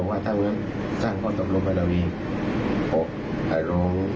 อาหาร